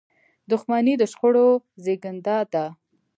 • دښمني د شخړو زیږنده ده.